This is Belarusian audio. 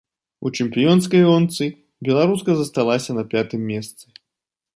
У чэмпіёнскай гонцы беларуска засталася на пятым месцы.